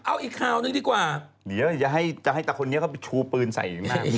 ไอ้พอยอย่างไรสะตอร์เอาไอ้ไข่ผมไม่ให้ไอ้พอย